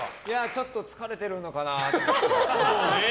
ちょっと疲れてるのかな。